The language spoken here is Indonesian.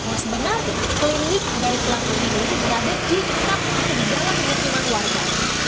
bahwa sebenarnya pelunik dari pelaku ini berada di dalam penerimaan warga